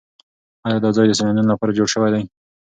ایا دا ځای د سیلانیانو لپاره جوړ شوی دی؟